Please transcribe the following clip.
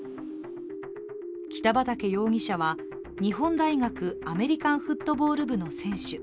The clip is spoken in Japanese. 北畠容疑者は日本大学アメリカンフットボール部の選手。